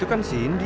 yuk langsung aja